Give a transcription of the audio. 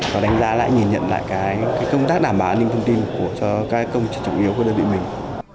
nó đánh giá lại nhìn nhận lại cái công tác đảm bảo an ninh thông tin của các công trình chủ yếu của đơn vị mình